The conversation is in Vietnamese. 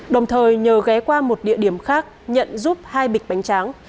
đồng thời nhờ ghé qua một địa điểm khác nhận giúp hai bịch bánh tráng